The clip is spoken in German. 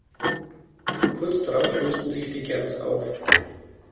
Kurz darauf lösten sich die Germs auf.